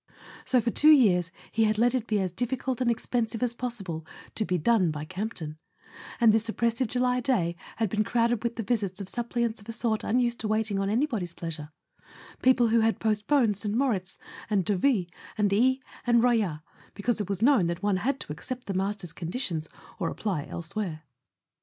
So for two years he had let it be as difficult and expensive as possible to be "done by Campton ; and this oppressive July day had been crowded with the visits of suppliants of a sort unused to waiting on any¬ body's pleasure, people who had postponed St. Moritz and Deauville, Aix and Royat, because it was known that one had to accept the master's conditions or ap¬ ply elsewhere.